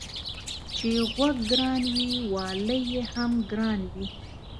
چي غوږ گران وي والى يې هم گران وي.